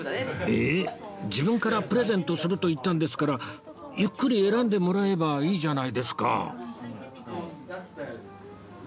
えっ自分からプレゼントすると言ったんですからゆっくり選んでもらえばいいじゃないですか